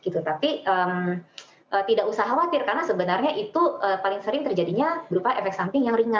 tapi tidak usah khawatir karena sebenarnya itu paling sering terjadinya berupa efek samping yang ringan